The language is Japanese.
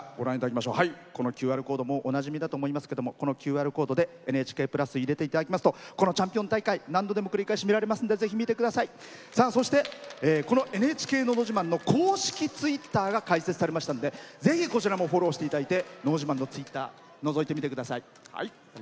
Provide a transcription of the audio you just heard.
このＱＲコードおなじみだと思いますけどこのＱＲコードで「ＮＨＫプラス」入れていただきますとこの「チャンピオン大会」繰り返し見られますのでそして、「ＮＨＫのど自慢」の公式ツイッターが開設されましたのでぜひこちらもフォローしていただいて「のど自慢」のツイッターのぞいてみてください。